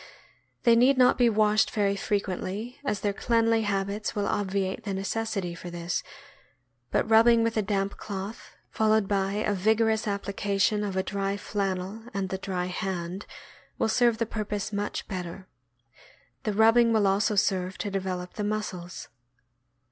They need not be washed very frequently, as their cleanly habits will obviate the necessity for this; but rubbing with a damp cloth, followed by a vig orous application of a dry flannel and the dry hand, will serve the purpose much better. The rubbing will also serve to develop the muscles.